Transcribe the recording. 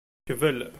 Kbel.